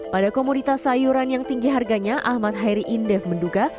pada komoditas sayuran yang tinggi harganya ahmad hairi indef menduga